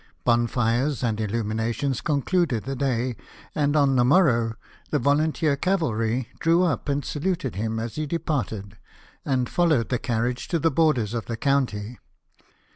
Bonfires and illumina tions concluded the day, and on the morrow the volunteer cavalry drew up and saluted him as he departed, and followed the carriage to the borders of the county.